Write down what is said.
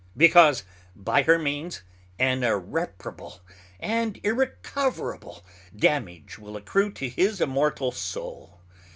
Because by her means an irreparable and irrecoverable damage will accrue to his immortal Soul.